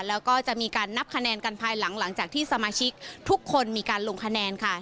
แล้วก็จะมีการนับคะแนนกันภายหลังจากที่สมาชิกทุกคนมีการลงคะแนนค่ะ